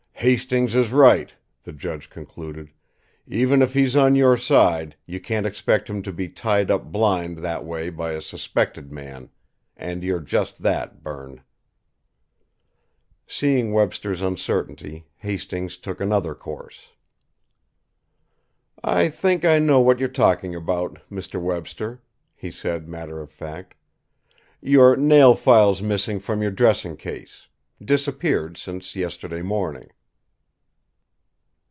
"Hastings is right," the judge concluded; "even if he's on your side, you can't expect him to be tied up blind that way by a suspected man and you're just that, Berne." Seeing Webster's uncertainty, Hastings took another course. "I think I know what you're talking about, Mr. Webster," he said, matter of fact. "Your nail file's missing from your dressing case disappeared since yesterday morning."